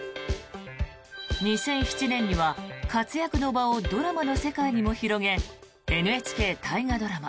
２００７年には活躍の場をドラマの世界にも広げＮＨＫ大河ドラマ